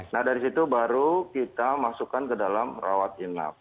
nah dari situ baru kita masukkan ke dalam rawat inap